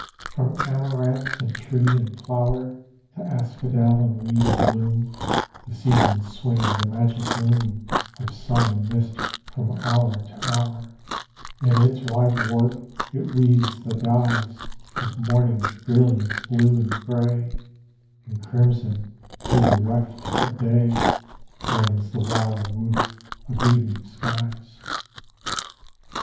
From amaranth in tree and flower To asphodel in weed and bloom The season swings a magic loom Of sun and mist from hour to hour: In its wide warp it weaves the dyes Of morning's brilliant blue and gray; And crimson through the weft of day Flings the wild woof of evening skies.